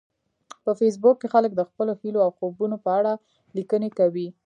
په فېسبوک کې خلک د خپلو هیلو او خوبونو په اړه لیکنې کوي